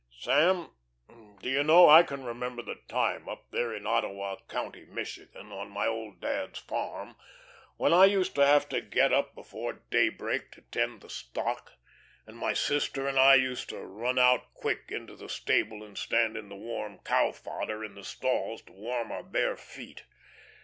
Sam, do you know, I can remember the time, up there in Ottawa County, Michigan, on my old dad's farm, when I used to have to get up before day break to tend the stock, and my sister and I used to run out quick into the stable and stand in the warm cow fodder in the stalls to warm our bare feet....